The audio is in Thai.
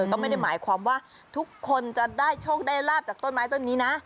ก็ไม่ได้หมายความว่าทุกคนจะได้โชคได้ลาบจากต้นไม้ต้นนี้นะ